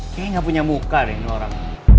kayaknya gak punya muka deh ini orang